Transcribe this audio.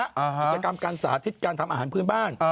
กิจกรรมการสาธิตการทำอาหารพื้นบ้าน